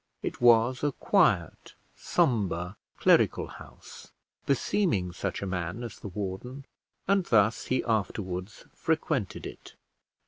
It was a quiet, sombre, clerical house, beseeming such a man as the warden, and thus he afterwards frequented it.